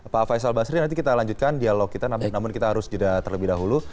pak faisal basri nanti kita lanjutkan dialog kita namun kita harus jeda terlebih dahulu